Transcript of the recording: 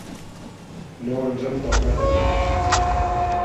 No ens hem tornat a veure.